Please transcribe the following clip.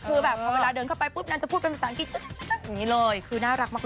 คือแบบพอเวลาเดินเข้าไปปุ๊บนั้นจะพูดเป็นภาษาอังกฤษอย่างนี้เลยคือน่ารักมาก